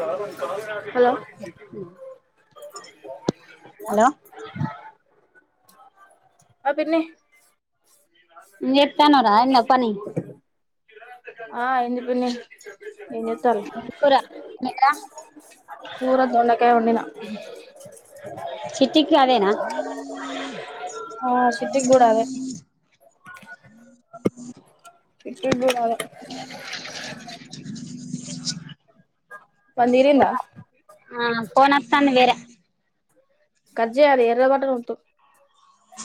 కా hello hello ఆ పిన్ని ఏం చేస్తున్నావురా అయిందా పని ఆ అయింది పిన్ని ఏం చేస్తున్నారు ఏం కూర [unintelligible] ములక్కాయ వండిన చిట్టికి అదేనా ఆ చిట్టిది కూడా అదే చిట్టిది కూడా అదే [inaudible] పని తీరిందా ఆ ఫోన్ వత్తాంది వేరే కట్ చేయాలి ఎర్ర బటన్ వతు అ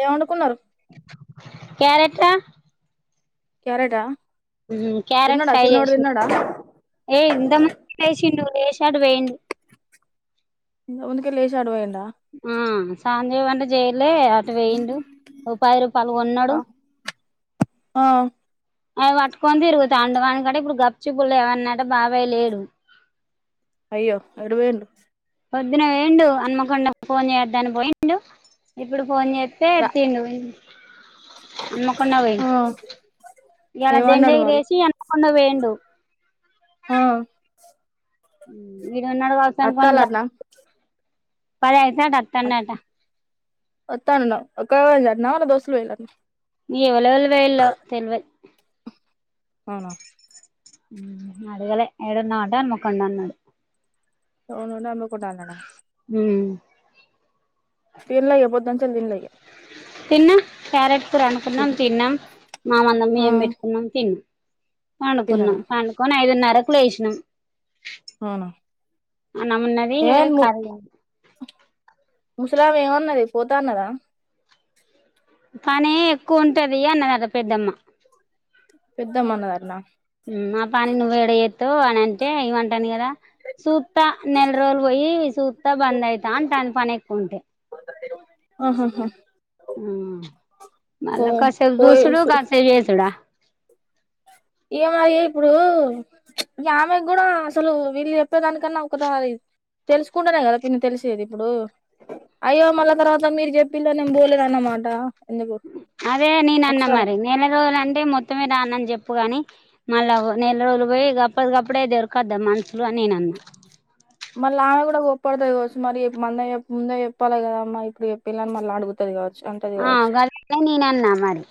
ఏమొండుకున్నరు క్యారెట క్యారెట్ ఆ క్యారెట్ ఫ్రై చేసి ఏ ఇంత మంది [unintelligible] [unintelligible] [unintelligible] ఆ [unintelligible] లే అటు పోయిండు రూపాయి రూపాయలు కొన్నాడు ఆ అవి పట్టుకొని [unintelligible] అయ్యో ఎటు పోయిండు పొద్దున వేండు అన్మకొండ ఫోన్ చేయద్దని పోయిండు ఇప్పుడు ఫోన్ చేస్తే రా ఎత్తిన్డు హన్మకొండ ఆ ఏమన్నాడు మరి [unintelligible] [unintelligible] కొండ పోయిండు ఆ ఇడున్నాడు వర్సనుకొని అత్తాలంటనా [unintelligible] [unintelligible] [unintelligible] ఎవలోల్లు [unintelligible] అవునా అడగలే [unintelligible] [inaudible] హు [unintelligible] తిన్నాం క్యారెట్ కూర వండుకున్నాం ఇగ తిన్నాం [unintelligible] ఏం ఆ పెట్టుకున్నాం తిన్ తిన్నారా పండుకున్నాం పండుకొని ఐదున్నరకు లేసినాం అవునా అన్నం వున్నది ఏమైంది కర్రీ ముసలమే ఏమన్నది పోత అన్నదా పని ఎక్కువ ఉంటది అన్నది అంట పెద్దమ్మ పెద్దమ్మ అన్నదంటన ఆ పని నువ్వ ఎడ చేతవు అని అంటే [unintelligible] అంటాను కదా సూత నెల రోజులు పోయి సూత బంద్ అవుతా [unintelligible] పని ఎక్కుఉంటే ఆహాహా పో మళ్ళా కాసేపు పోయి చుసుడు సు [unintelligible] ఏం అ ఇప్పుడు ఈ ఆమెకి కూడ అసలు వీళ్ళు చెప్పేదానికన్నా ఒకారి తెలుసుకుంటానే కదా పిన్ని తెలిసేది ఇప్పుడు అయ్యో మళ్ళా తర్వాత మీరు చెప్పిలే నేను పోలేదు అనమాట ఎందుకు అదే నేన అన్న ఒకసారి మరి నెల రోజుల అంటే మొత్తమే రానని చెప్పుగాని మళ్ళా నెల రోజులు పోయి అప్పటికప్పుడే దొరుకద్ద మనుషులుని నేను అన్నా మళ్ళీ ఆమె కూడ గొప్పపడుతుది కావచ్చు మరి మంద ముందే చెప్పాలి కదామ్మా ఇప్పుడు చెప్పిళ్ళాలని మళ్ళీ అడుగుతుది కావచ్చు అంటది ఆ కావచ్చు గదనే నేను అన్నా మరి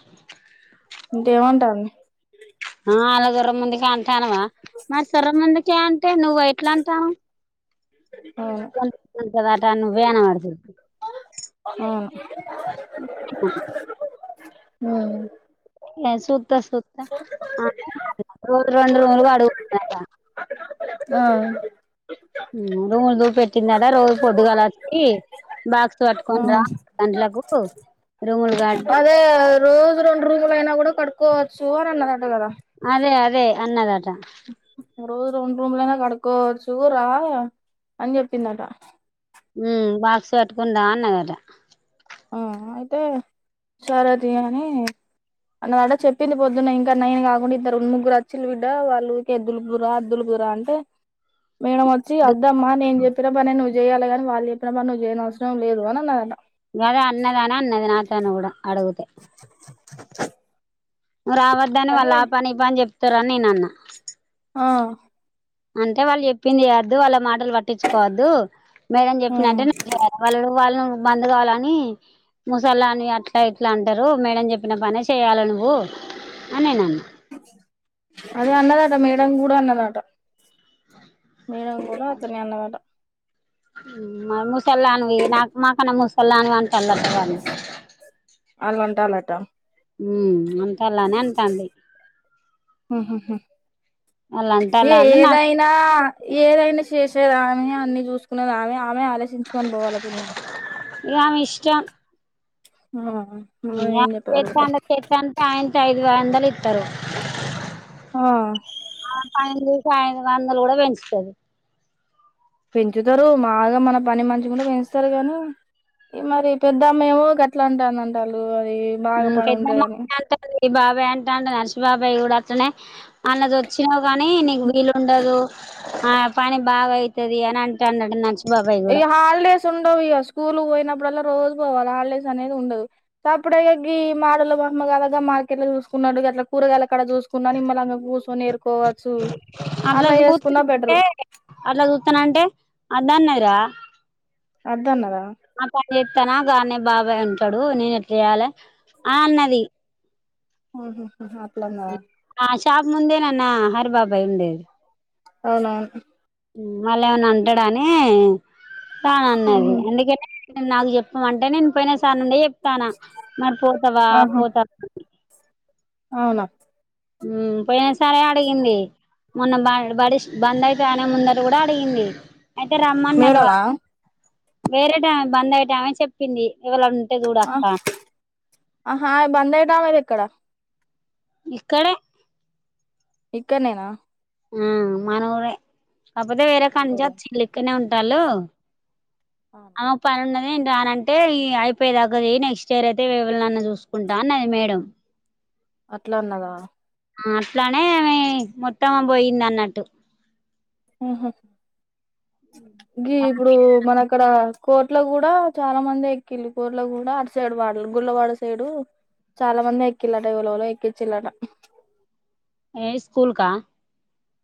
ఇంకేమంటావ్ [unintelligible] అంటే నువ్వు ఎట్లా అంటనవ్ అవును [unintelligible] అట నువ్వే అనబడితివి ఊ [inaudible] ఊ సుత్తా సుత్తా [inaudible] ఆ ఊ రూములు పెట్టిండట రోజు పొద్దుగాల వచ్చి బాక్స్ ఆ పట్టుకోని రా గంటలకు రూములు కడు అదే రోజు రెండు రోజులయినా కూడా కడుక్కోవచ్చు అని అన్నదట కదా అదే అదే అన్నదాట రోజు రెండు రూమ్లైనా కడుక్కోవచ్చు రా అని చెప్పిందట ఉ బాక్స్ పట్టుకొని రా అన్నదట ఆ అయితే సరే తీ అని అన్న అదే చెప్పింది పొద్దున్నే ఇంకా నైన్ కాకుండా ఇద్దారు ముగ్గురు అచ్చిలు బిడ్డ వాళ్ళకి ఎద్దులు కు రా అద్దులు వద్దు రా అంటే మేడం వచ్చి అద్దమ్మా నేను చెప్పిన పని నువ్వు చేయాలి కాని వాళ్ళు చెప్పిన పని నువ్వు చేయనవసరం లేదు అనీ అన్నదట గదా అన్నద అని అన్నది నాతోను కూడా అడుగితే నువ్వు రావద్దని కానీ వాళ్ళు ఆ పని ఈ పని చెప్తారని నేను అన్న ఆ అంటే వాళ్ళు చెప్పింది [unintelligible] వాళ్ళ మాట పట్టించుకోవద్దు మేడం చెప్పిన ఉమ్ వాళ్ళు వాళ్ళు బండి కావాలని ముసళ్ళదానివి అట్లా ఇట్లా అంటారు మేడంని చెప్పిన పనే చేయాలి నువ్వు అని నేను అన్నా అనీ అన్నదట మేడం కూడ అన్నదట మేడం కూడా అట్లానే అన్నదట ఊ ముసలాదానివి నాకు మాకన్నా ముసలాదానివి అంటాడాటా వాళ్ళు అని అంటడట ఉ అంటాల్లానీ అంటాంది ఆహా హా వాళ్ళు ఏ అంటాళ్ళని నాకు ఏదైనా ఏదైనా చేసారానీ అనీ చూసుకునేది ఆమె ఆమె ఆలోచించుకొని పోవాలి పిన్ని ఇగ ఆమె ఇష్టం ఆ మనం ఏం [inaudible] చెప్పగలుగుతా ఐదు వందలు ఇత్తరు ఆ ఆ పని చేసి ఆయన వందలు కూడా పెంచుతది పెంచుతారు బాగా మన పని మంచికుంటే పెంచుతారు గానీ ఈ మరి పెద్దమ్మ ఏమో గట్లా అంటానంట వాళ్ళు అది బాగా పని పెద్దమ్మ ఉంటాదనీ అంటది బాబాయ్ అంటాండు గా అర్ష్ బాబాయ్ కూడా అట్లానే అన్నది వచ్చినావు కాని నీకు వీలుండదు ఆ పని బాగా అయితది అని అంటడాటా నచ్చ ఇగా హాలిడేస్ ఉండవు ఇగ స్కూల్ పోయినప్పుడల్ల రోజు వాల హాలిడేస్ అనేది ఉండదు స అప్పుడే గి మాడల బొమ్మ కలగా మార్కెట్ లో చూసుకున్నాడు అట్లా కూరగాయల అక్కడ చూసుకున్నా నిమ్మళంగా కూర్చొని ఎరుకోవచ్చు అట్లా వేసుకున్నా బెటరు అట్లా చూస్తానంటే [unintelligible] వద్దు అన్నారా ఆ పని చెప్తానా గానే బాబాయ్ ఉంటాడు నేను ఎట్లా చెయాలి ఆ అన్నది ఉహ్ అట్లనా ఆ షాప్ ముందే నాన్న హరి బాబాయ్ ఉండే అవున వాళ్ళ ఏమన్నా అంటాడాని రానున్నది ఉహు. ఎందుకంటే నాకు చెప్పమంటే నేను పోయినా సార్ నుండి చెప్తానా మరి పోతావా ఆహా పోతావా అవునా పోయినసారి అడిగింది మొన్న బ బడి బంద్ అయితది అని ముందర కూడా అడిగింది అయితే రమ్మన్నారు మేడమా వాళ్లు వేరే టామీఆమె బంద్ అ్య టైమే చెప్పింది ఇవాళ ఆ ఆహా బందట అనేది ఎక్కడ ఇక్కడే ఇక్కడనేనా ఉ మన ఊరే కాకపోతే వేరే కాడనుంచి వచ్చిండ్రు ఇక్కడనే అంటున్నారులు ఆమెకు పని ఉంది నేను రానంటే అయిపోయే తగ్గది నెక్స్ట్ ఇయర్ అయితే ఇవళన్న చూసుకుంటాను అన్న అది మేడం అట్లా ఉన్నదా అట్లానే మొత్తం పోయింది అన్నట్టు ఉహు గీ ఇప్పుడు మన అక్కడ కోట్ల కూడా చాలా మంది ఎక్కిళ కోట్ల కూడా అటు సైడు వాడ గుళ్ళవాడ సైడు చాలా మంది ఎక్కిళ్లాట విలువలో ఎక్కిచ్చిందంట ఏ స్కూల్కా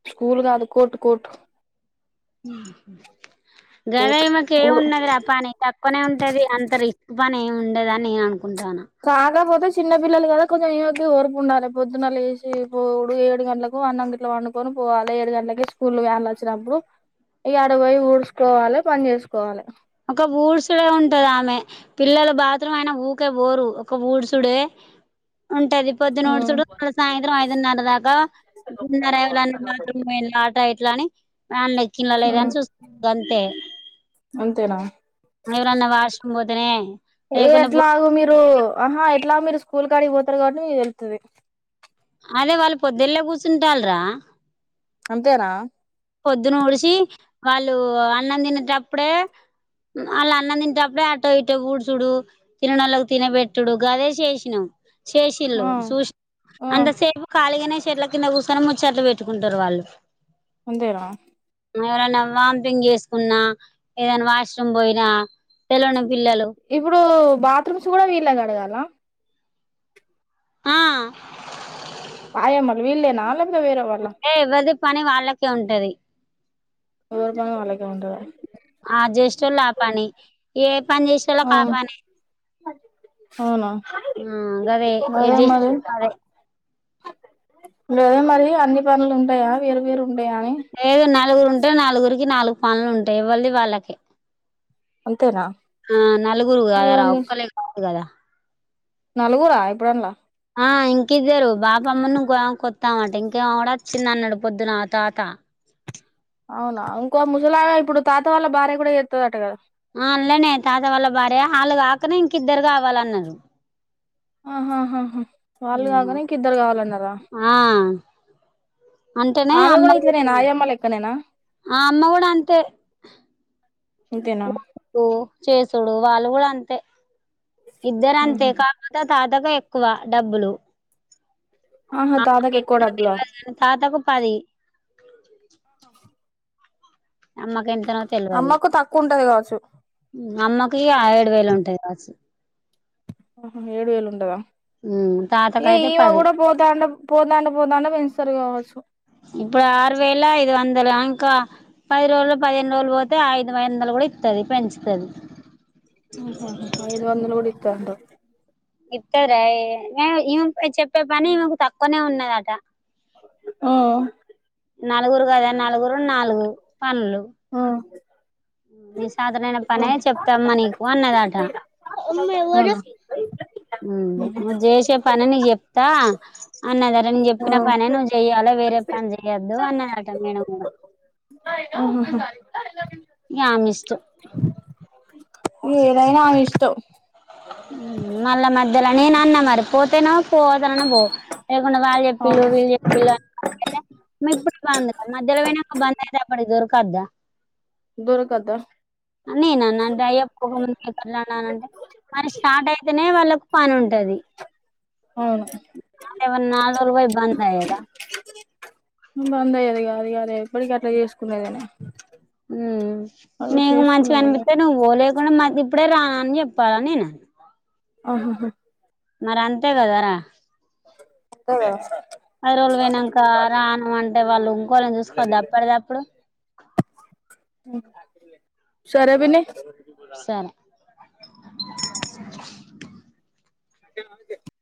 స్కూల్ కాదు కోట్ కోట్ ఉ గదా ఈ మాకు ఏమి ఊరు ఉండది రా పని తక్కువనే ఉంటది అంత రిస్క్ పని ఏమి ఉండదని నేను అనుకు కాకపోతే చిన్న పిల్లలు కదా కొంచెం ఏకి ఓరుపు ఉండాలి పొద్దున వేసి పోడు ఏడు గంటలకు అన్న గట్లో వండుకొని పోవాలి ఏడు గంట అలాగే స్కూల్ వన్ వచ్చినప్పుడు ఈ అడ పోయి ఊడ్చకోవాలి పని చేసుకోవాలి ఒక ఉడ్సుడే ఉంటది ఆమె పిల్లలు బాత్రూమ్ అయిన ఊకే బోరు ఒక ఉడుసుడే ఉంటది పొద్దునోటి మ్మ్ చుడు వాళ్ళ సాయంత్రం ఐదున్నర దాకా గున్నర ఎవన్న బాత్రూట ఇట్లాని మన్న ఎక్కిన లేద మ్మ్ అని చూస్తుంది అంతే అంతేనా తనే ఏ ఎట్లాగ మీరు ఆహా ఎట్లాగ మీరు స్కూల్కి అడిగిపోతారు కాబట్టి మీకు వెళ్తుంది అదే వాళ్ళు పొద్దుళ కూర్చుంటాలరా అంతేనా పొద్దున్న ఊడిసి వాళ్ళు అన్నం తినేటప్పుడే వాళ్ళ అన్నం తింటేప్పుడే అటో ఇటో బూడ్చుడు తిననళ్ళకి తినబెట్టుడు గదే చేసినం చేసిల్లు ఆ చూ ఆ అంతసేపు కాళగానే చెట్ల కింద కూర్చొని ముచ్చ చెట్లు పెట్టుకుంటారు వాళ్ళు అంతేనా ఎవరైనా వాంపింగ్ చేసుకున్నా ఏదైనా వాష్రూమ్ పోయినా తెలవని పిల్లలు ఇప్పుడు బాత్రూమ్స్ కూడా వీళ్ళ కడగాలా ఆ వాయమ్మలు వీళ్లేనా లేకపోతే వేరేవాళ్ళ? అంటే ఎవరిది పని వాళ్ళకే ఉంటది ఎవరి జోన వాళ్ళకి ఆ జేసేటోల్లు ఆపాని ఏ పని జేసేటోళ్లకు ఆ పని అవునా ఆ గదే ఏ అదే మరి చేసేటోళ్ళకి అదే లేదే మరి అన్ని పనులు ఉంటాయా వేరు వేరు ఉంటాయా అని లేదు నలుగురు ఉంటే నలుగురికి నాలుగు పనులు ఉంటయి ఇవ్వి వాళ్ళకే అంతేనా ఆ నలుగురు కదరా, ఎవరిని ఒక్కలే కాదు కదా నలుగురా ఇప్పుడు అన్ల ఆ ఇంకిద్దరు బాపమ్మను ఇంకో ఆమ కొత్తామాట ఇంకేమో కూడా వచ్చింది అన్నడు పొద్దున్న తాత. అవునా ఇంకో ముసలామే ఇప్పుడు తాత వాల్ల భార్య కూడా చేత్తదట కదా ఆ అన్లనే తాత వాళ్ల భార్య, హాలు కాకనే ఇంకిద్దరు కావాలన్నారు. ఆహాహహా వాళ్ళు కాగనే ఇంకిద్దరు కావాలన్నరా? ఆ అంటేనే కూడా అమ్మకు ఇట్లనేనా చెప్పంది, ఆయమ్మ లెక్కనేనా ఆ అమ్మ కూడా అంతే. ఇంతేనా కో చేసుడు వాళ్ళు కూడా అంతే, ఇద్దరు అంతే కాకపోతే ఆ తాత్ దగా ఎక్కువ డబ్బులు ఆహా తాతకి ఎక్కువ డబ్బులా తాతకు పది అమ్మకి ఎంతనో తెలవది అమ్మకు తక్కువ ఉంటది కావచ్చు అమ్మ ఇగ ఏడు వేలు ఉంటయి మరి ఆహ ఏడు వేలు ఉంటదా ఇగ తాతకయితే ఈమె పది గుడ పోతాండే పోతంటె పోతాంటె పెంచుతరు కావచ్చు ఇప్పుడు ఆరు వేల ఐదు వందలు ఆమ్ కా పది రోజులు, పదిహేను రోజులు పోతే ఐదు వైదలు కూడా ఇస్తుది పెంచుతది అహ ఐదు వందలు గుడ ఇస్తదంటవ్ రై ఈమె చెప్పే పని ఈమెకు తక్కువనే ఉన్నదట ఆ నలుగురు కదా నలుగురు నాలుగురు పనులు నే సాతనైన పనే అవునా చెప్తామ్మా నీకు అన్నదట. ఉమ్ నువ్ జేసే పనే నీక్ చెప్ తా అన్నదర నేను ఆ చెప్పిన పనే నువ్వు చెయాలే వేరే జె పని చేయద్దు అన్నదట మేడం కూడా ఆహాహా ఇగ ఆమె ఇష్టం. ఇగ ఏదైనా ఆమే ఇష్టం మళ్ళా మధ్యల నేను అన్న మరి పోతేనో పోతలనన్న పొం లేకుండా వాళ్ళు చెప్పిళ్ళు అవును వీళ్ళు చెప్పిళ్ళు అని అయితే మి ఇప్పుడు బంద్ కద, మధ్యల పోయినాక బంద్ అయితే అప్పటికి దొరకద్దా. దొరకద్దా అని నేనన్న అంటే [unintelligible] అంటే మన స్టార్ట్ అయితేనే వాళ్ళకు పని ఉంటది. అవును ఏమన్నా నాలురోజులు పోయ్ బందయ్యేదా బంద్ అయ్యేది కాదు ఇగ అది ఎప్పటిక అట్లా చేసుకునేదేనాయే ఉమ్ నీకు మంచిగ చేసుకున్నదేగా అనిపిస్తే నువ్ పో లేకుంటె మది ఇప్పుడే రా అని చెప్పాల నేను అహహా మరి అంతే కదరా. కదా ఐదు రోజు పోయినంక రాను అంటే వాళ్ళు ఇంకోలని చూసుకోవద్ద అప్పడిదప్పుడు సరే విన్నీ సరే మద్యలామకే